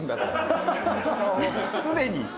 すでに。